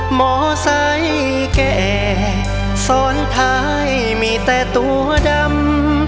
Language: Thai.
หมอใส่แกแกสอนทายมีแค่ตัวดำ